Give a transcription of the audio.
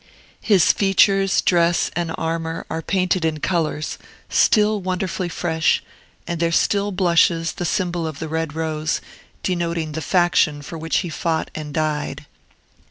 His features, dress, and armor are painted in colors, still wonderfully fresh, and there still blushes the symbol of the Red Rose, denoting the faction for which he fought and died.